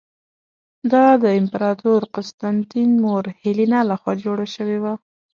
دا د امپراتور قسطنطین مور هیلینا له خوا جوړه شوې وه.